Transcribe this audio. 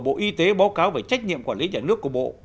bộ y tế báo cáo về trách nhiệm quản lý nhà nước của bộ